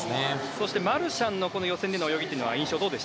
そしてマルシャンンの予選の泳ぎの印象は？